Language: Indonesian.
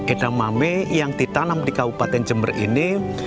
edamame yang ditanam di kabupaten jember ini